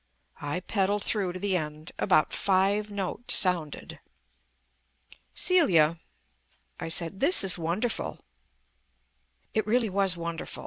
I pedalled through to the end. About five notes sounded. "Celia," I said, "this is wonderful." It really was wonderful.